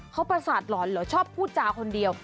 เขาประสาทหลอนเหรอชอบพูดจาคนเดียว